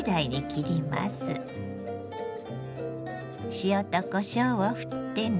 塩とこしょうをふってね。